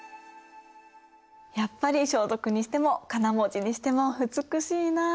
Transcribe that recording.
やっぱり装束にしてもかな文字にしても美しいな。